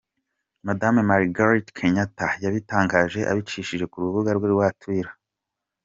Madame Margaret Kenyatta yabitangaje abicishije ku rubuga rwe rwa Twitter.